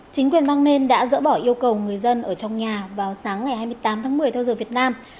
chính quyền bang maine đã dỡ bỏ yêu cầu người dân ở trong nhà vào sáng ngày hai mươi tám tháng một mươi theo giờ việt nam